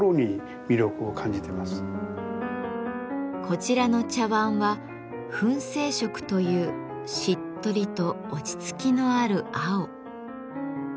こちらの茶碗は「粉青色」というしっとりと落ち着きのある青。